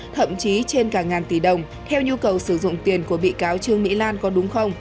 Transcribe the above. thậm chí trên cả ngàn tỷ đồng theo nhu cầu sử dụng tiền của bị cáo trương mỹ lan có đúng không